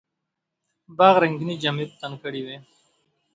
باغ رنګیني جامې په تن کړې وې.